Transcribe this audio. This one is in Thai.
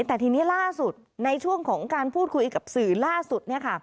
แต่ทีนี้ล่าสุดในช่วงของการพูดคุยกับสื่อล่าสุด